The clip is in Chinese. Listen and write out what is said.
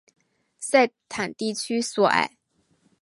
塞坦地区索埃。